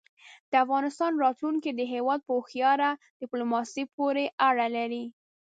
د افغانستان راتلونکی د هېواد په هوښیاره دیپلوماسۍ پورې اړه لري.